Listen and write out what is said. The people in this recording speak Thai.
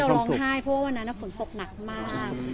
เพราะวันนั้นฝนตกหนักมาก